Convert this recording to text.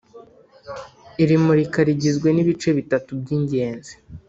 Iri murika rigizwe n ibice bitatu by ingenzi